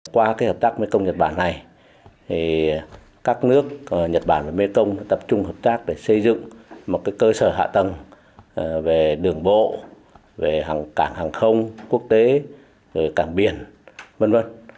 qua hợp tác mekong nhật bản này các nước nhật bản và mekong đã tập trung hợp tác để xây dựng một cơ sở hạ tầng về đường bộ về cảng hàng không quốc tế cảng biển v v